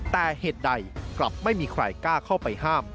แต่เหตุใดกลับไม่มีใครกล้าเข้าไปห้าม